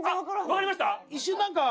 わかりました？